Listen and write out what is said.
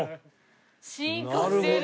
進化してる。